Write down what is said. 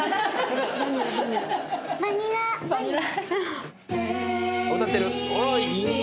バニラバニラ。